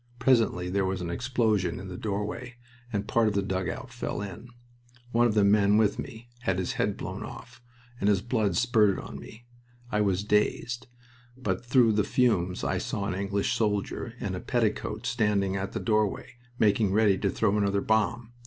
Presently there was an explosion in the doorway and part of the dugout fell in. One of the men with me had his head blown off, and his blood spurted on me. I was dazed, but through the fumes I saw an English soldier in a petticoat standing at the doorway, making ready to throw another bomb.